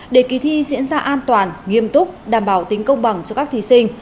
để kỳ thi diễn ra an toàn nghiêm túc đảm bảo tính công bằng cho các thí sinh